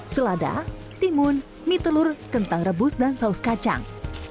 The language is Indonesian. selada timun mie telur kentang rebus dan saus kacang